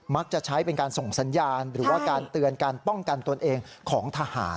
ใช้เป็นการส่งสัญญาณหรือว่าการเตือนการป้องกันตนเองของทหาร